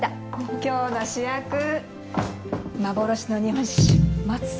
今日の主役幻の日本酒松祭。